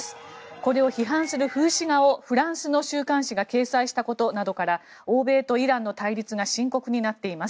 これを批判する風刺画をフランスの週刊誌が掲載したことなどから欧米とイランの対立が深刻になっています。